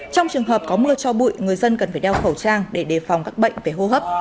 trong trường hợp có mưa cho bụi người dân cần phải đeo khẩu trang để đề phòng các bệnh về hô hấp